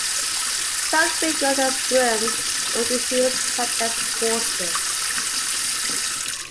Tom wriggled and squirmed until he was quite exhausted.